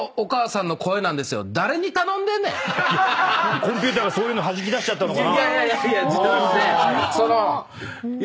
コンピューターがそういうのはじき出しちゃったのかな。